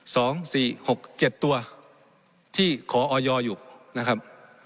สองสี่หกเจ็ดตัวที่ขอออยอยู่นะครับ